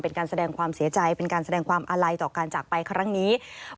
เป็นการแสดงความเสียใจเป็นการแสดงความอาลัยต่อการจากไปครั้งนี้